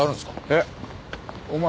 えっ？